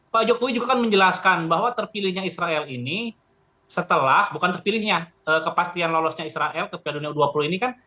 pak jokowi juga kan menjelaskan bahwa terpilihnya israel ini setelah bukan terpilihnya kepastian lolosnya israel ke piala dunia u dua puluh ini kan